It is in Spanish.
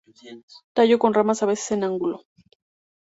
Tallo con ramas a veces en ángulo.